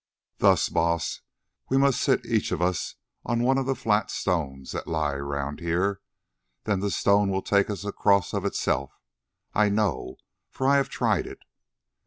"Thus, Baas: we must sit each of us on one of the flat stones that lie round here, then the stone will take us across of itself. I know, for I have tried it."